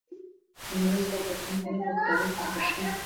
لمریز ځواک د افغان تاریخ په کتابونو کې ذکر شوی دي.